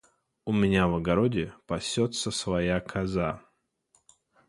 У меня в огороде пасётся своя коза.